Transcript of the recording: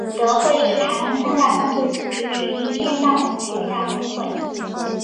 敏德会是台湾三大犯罪组织之一天道盟旗下分会。